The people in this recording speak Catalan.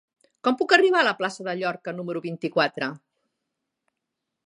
Com puc arribar a la plaça de Llorca número vint-i-quatre?